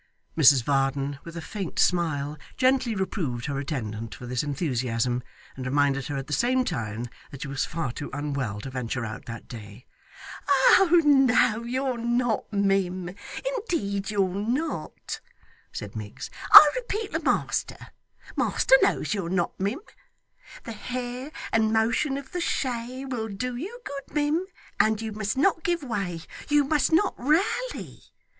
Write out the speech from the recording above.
Mrs Varden with a faint smile gently reproved her attendant for this enthusiasm, and reminded her at the same time that she was far too unwell to venture out that day. 'Oh no, you're not, mim, indeed you're not,' said Miggs; 'I repeal to master; master knows you're not, mim. The hair, and motion of the shay, will do you good, mim, and you must not give way, you must not raly.